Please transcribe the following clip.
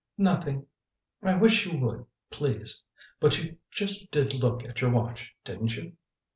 "Nothing. I wish you would, please but you just did look at your watch, didn't you?"